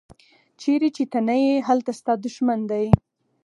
چیرې چې ته نه یې هلته ستا دوښمن دی.